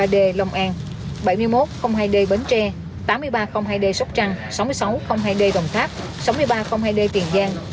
sáu mươi hai ba d long an bảy mươi một hai d bến tre tám mươi ba hai d sóc trăng sáu mươi sáu hai d đồng tháp sáu mươi ba hai d tiền giang